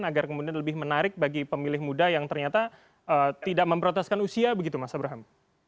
agar kemudian lebih menarik bagi pemilih muda yang ternyata tidak memproteskan usia begitu mas abraham